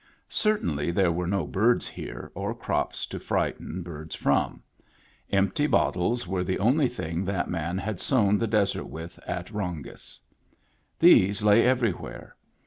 Certainly there were no birds here, or crops to frighten birds from; empty bottles were the only thing that man had sown the desert with at Rongis.^ These lay everjnvhere.